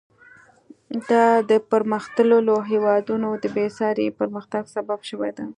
دا د پرمختللو هېوادونو د بېساري پرمختګ سبب شوې ده.